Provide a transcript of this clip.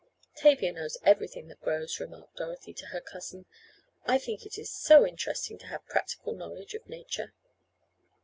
"Tavia knows everything that grows," remarked Dorothy to her cousin, "I think it is so interesting to have a practical knowledge of nature."